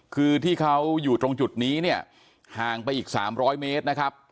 คือที่เขาอยู่ตรงจุดนี้เนี่ยห่างไปอีก๓๐๐เมตรนะครับ